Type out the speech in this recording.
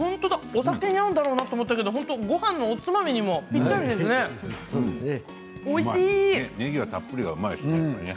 お酒に合うんだろうなと思ったけどごはんのおつまみにもねぎがたっぷりでうまいですね。